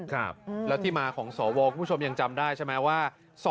ครับแล้วที่มาของสวคุณผู้ชมยังจำได้ใช่ไหมว่า